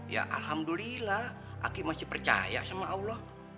ya alhamdulillah aki masih percaya sama allah